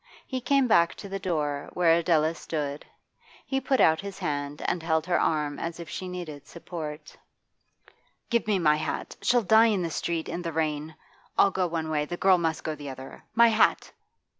He came back to the door, where Adela stood; he put out his hand and held her arm as if she needed support. 'Give me my hat! She'll die in the street, in the rain! I'll go one way; the girl must go the other. My hat!